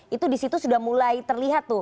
itu di situ sudah mulai terlihat